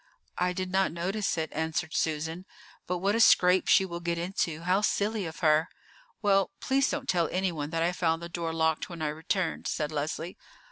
"I did not notice it," answered Susan; "but what a scrape she will get into! How silly of her!" "Well, please don't tell anyone that I found the door locked when I returned," said Leslie.